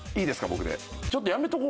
僕で。